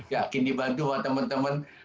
yakin dibantu teman teman